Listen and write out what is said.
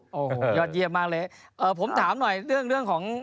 โอ้โหยอดเยี่ยมมากเลยผมถามหน่อยเรื่องเรื่องของ